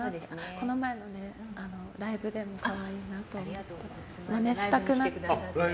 この前のライブでも可愛いなと思ってマネしたくなって。